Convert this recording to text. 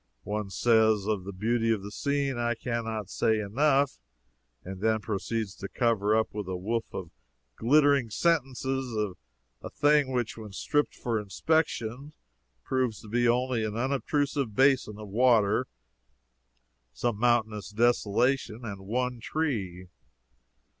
One says, "Of the beauty of the scene I can not say enough," and then proceeds to cover up with a woof of glittering sentences a thing which, when stripped for inspection, proves to be only an unobtrusive basin of water, some mountainous desolation, and one tree.